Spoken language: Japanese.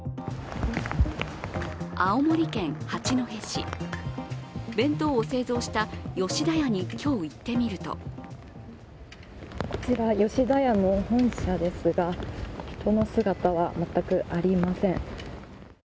青森県八戸市、弁当を製造した吉田屋に今日行ってみるとこちら、吉田屋の本社ですが人の姿は全くありません。